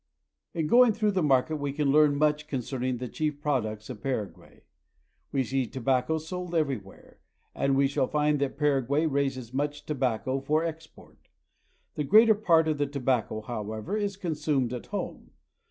In going through the market we can learn much con cerning the chief products of Paraguay. We see tobacco PARAGUAY. 225 sold everywhere, and we shall find that Paraguay raises much tobacco for export. The greater part of the tobacco, however, is consumed at home.